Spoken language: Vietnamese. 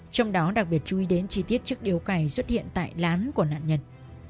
trong đó đặc biệt chú ý đến chi tiết chức điếu cày xuất hiện tại lán của nạn nhân